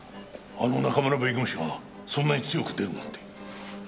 あの中村弁護士がそんなに強く出るなんて。